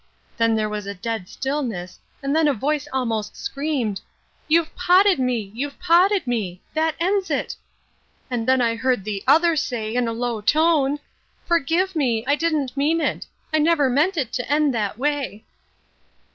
Then there was a dead stillness, and then a voice almost screamed, 'You've potted me. You've potted me. That ends it.' And then I heard the other say in a low tone, 'Forgive me, I didn't mean it. I never meant it to end that way.'